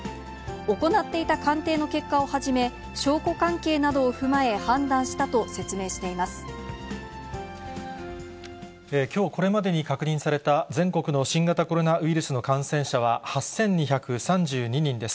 行っていた鑑定の結果を始め、証拠関係などを踏まえ判断したときょう、これまでに確認された全国の新型コロナウイルスの感染者は８２３２人です。